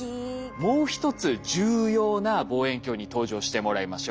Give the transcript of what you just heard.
もう一つ重要な望遠鏡に登場してもらいましょう。